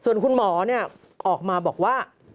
ส่วนคุณหมอออกมาบอกว่า